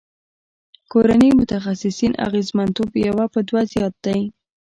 کورني متخصصین اغیزمنتوب یو په دوه زیات دی.